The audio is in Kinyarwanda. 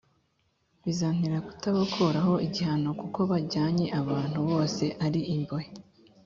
bizantera kutabakuraho igihano kuko bajyanye abantu bose ari imbohe,